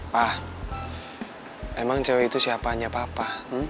pak emang cewek itu siapaannya papa